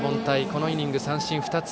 このイニング、三振２つ。